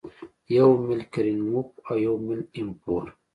یو میل کرینموف او یو میل ایم پور